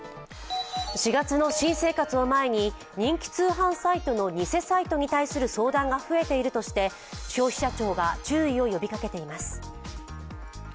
４月の新生活を前に人気通販サイトの偽サイトに対する相談が増えているとして消費者庁が注意を呼びかけています。